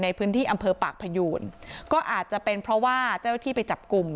ในพื้นที่อำเภอปากพยูนก็อาจจะเป็นเพราะว่าเจ้าหน้าที่ไปจับกลุ่ม